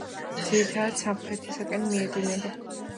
ძირითადად სამხრეთისაკენ მიედინება.